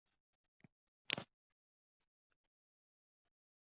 Bu kitob ham Shkid Respublikasi singari real voqealarga asoslangan